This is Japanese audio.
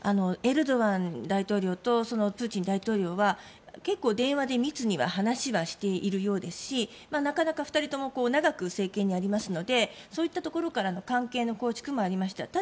エルドアン大統領とプーチン大統領は結構、電話で密には話はしているようですしなかなか２人とも長く政権にありますのでそういったところからの関係の構築もありました。